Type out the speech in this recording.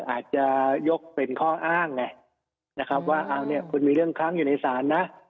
อาจจะยกเป็นข้ออ้างไงนะครับว่าเอาเนี่ยคุณมีเรื่องค้างอยู่ในศาลนะ